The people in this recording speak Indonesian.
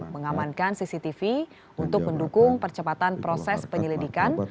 mengamankan cctv untuk mendukung percepatan proses penyelidikan